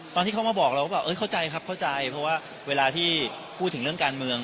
ตอนที่เขามาบอกเราก็แบบเข้าใจครับเข้าใจเพราะว่าเวลาที่พูดถึงเรื่องการเมือง